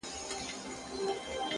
o د ميني ننداره ده؛ د مذهب خبره نه ده؛